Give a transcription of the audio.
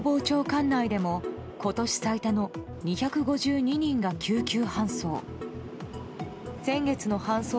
管内でも今年最多の２５２人が救急搬送。